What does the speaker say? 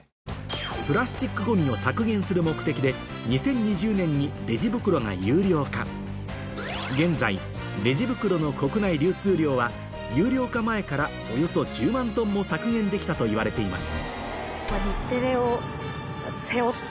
プラスチックごみを削減する目的で現在レジ袋の国内流通量は有料化前からおよそ１０万トンも削減できたといわれています